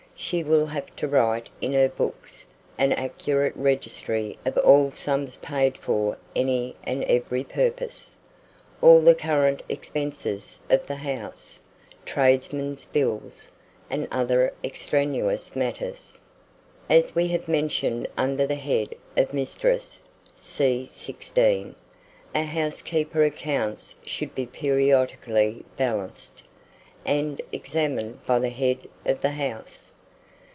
She will have to write in her books an accurate registry of all sums paid for any and every purpose, all the current expenses of the house, tradesmen's bills, and other extraneous matter. As we have mentioned under the head of the Mistress (see 16), a housekeeper's accounts should be periodically balanced, and examined by the head of the house.